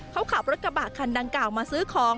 เขาขับรถกระบะคันดังกล่าวมาซื้อของ